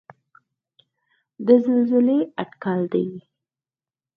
د زلزلې اټکل دی.